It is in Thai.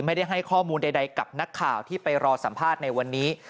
ให้ข้อมูลใดกับนักข่าวที่ไปรอสัมภาษณ์ในวันนี้